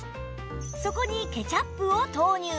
そこにケチャップを投入